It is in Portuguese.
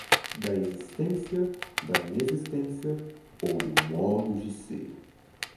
da existência, da inexistência ou do modo de ser